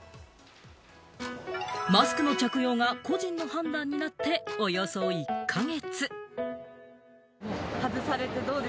マスクの着用は個人の判断になっておよそ１か月。